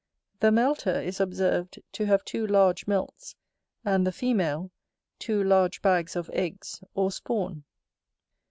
The melter is observed to have two large melts; and the female, two large bags of eggs or spawn.